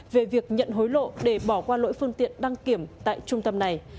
về việc nhận hối lộ để bỏ qua lỗi phương tiện đăng kiểm tại trung tâm này